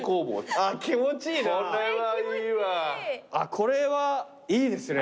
これはいいですね。